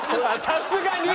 さすがに。